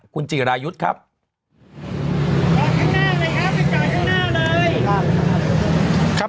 คุณจิรายุทธ์ครับ